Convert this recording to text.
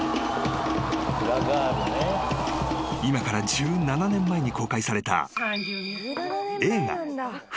［今から１７年前に公開された］